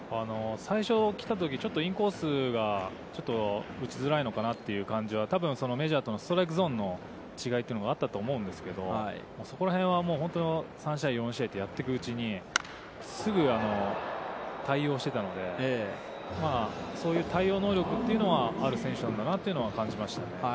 最初来たときちょっとインコースがちょっと打ちづらいのかなという感じは、多分メジャーとのストライクゾーンの違いがあったと思うんですけど、そこら辺は、３試合４試合とやっていくと、すぐ対応してたので、そういう対応能力というのはある選手なんだなというのは感じましたね。